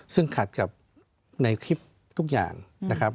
ซึ่งขัดกับในคลิปทุกอย่างนะครับ